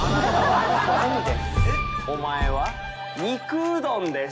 お前は肉うどんです。